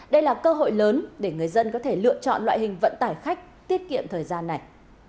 đây là cơ hội lớn để người dân có thể lựa chọn loại hình vận tải khách tiết kiệm thời gian này